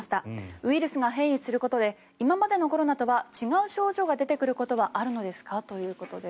ウイルスが変異することで今までのコロナとは違う症状が出てくることはあるのですか？ということです。